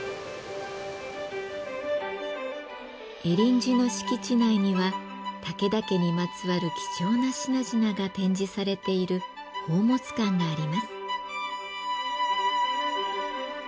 恵林寺の敷地内には武田家にまつわる貴重な品々が展示されている宝物館があります。